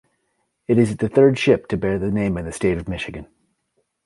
It is the third ship to bear the name of the state of Michigan.